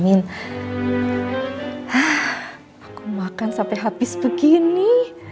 nah aku makan sampai habis begini